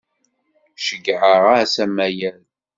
Ceyyɛeɣ-as amayel.